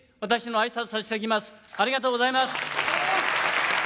ありがとうございます。